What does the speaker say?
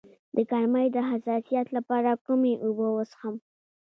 د ګرمۍ د حساسیت لپاره کومې اوبه وڅښم؟